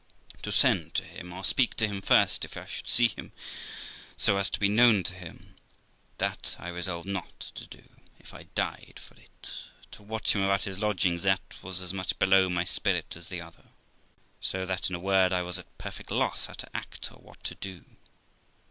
To send to him, or speak to him first if I should see him, so as to be known to him, that I resolved not to do, if I died for it. To watch him about his lodging, that was as much below my spirit as the other. So that, in a word, 1 was at a perfect loss how to act or what to do.